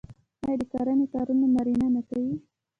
آیا د کرنې کارونه نارینه نه کوي؟